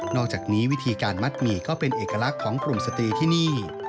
อกจากนี้วิธีการมัดหมี่ก็เป็นเอกลักษณ์ของกลุ่มสตรีที่นี่